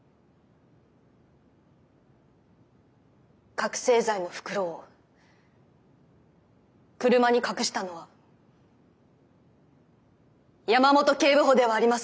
覚醒剤の袋を車に隠したのは山本警部補ではありません。